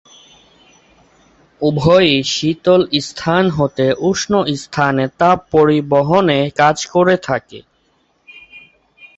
উভয়ই শীতল স্থান হতে উষ্ণ স্থানে তাপ পরিবহনে কাজ করে থাকে।